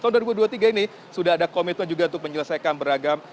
tahun dua ribu dua puluh tiga ini sudah ada komitmen juga untuk menyelesaikan beragam